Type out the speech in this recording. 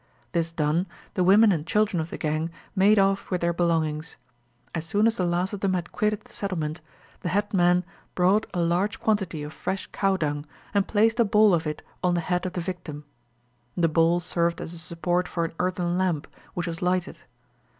This done, the women and children of the gang made off with their belongings. As soon as the last of them had quitted the settlement, the headmen brought a large quantity of fresh cow dung, and placed a ball of it on the head of the victim. The ball served as a support for an earthen lamp, which was lighted.